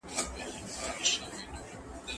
پخوا سياسي واک تر اوسني وخت زيات انحصاري و.